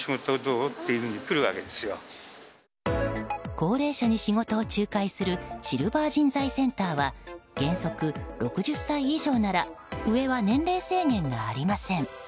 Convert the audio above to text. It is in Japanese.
高齢者に仕事を仲介するシルバー人材センターは原則、６０歳以上なら上は年齢制限がありません。